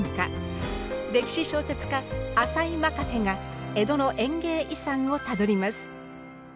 歴史小説家朝井まかてが江戸の園芸遺産をたどります。